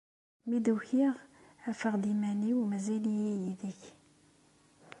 Mi d-ukiɣ, afeɣ-d iman-iw mazal-iyi yid-k.